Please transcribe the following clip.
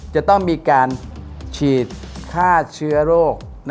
จะต้องมีการฉีดฆ่าเชื้อโรค